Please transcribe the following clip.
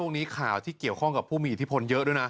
นี้ข่าวที่เกี่ยวข้องกับผู้มีอิทธิพลเยอะด้วยนะ